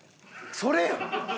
それやん！